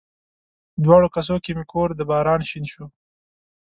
دواړو کسو کې مې کور د باران شین شو